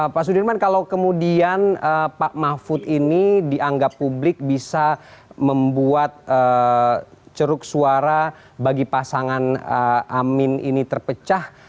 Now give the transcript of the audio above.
pak sudirman kalau kemudian pak mahfud ini dianggap publik bisa membuat ceruk suara bagi pasangan amin ini terpecah